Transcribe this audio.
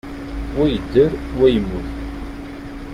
Wa yedder, wa yemmut.